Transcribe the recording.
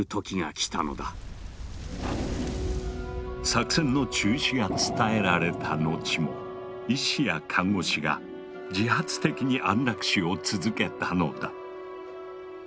作戦の中止が伝えられた後も医師や看護師が自発的に安楽死を続けたのだ。